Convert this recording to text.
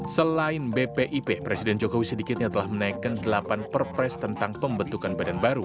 selain bpip presiden jokowi sedikitnya telah menaikkan delapan perpres tentang pembentukan badan baru